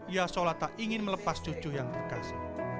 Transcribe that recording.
ia seolah tak ingin melepas cucu yang terkasih